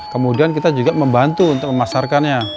kemudian kita juga membantu untuk memasarkannya